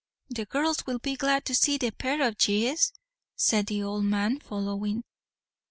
"The girls will be glad to see the pair o' yiz," said the old man, following.